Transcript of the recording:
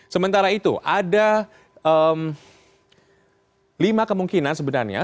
sementara itu ada lima kemungkinan sebenarnya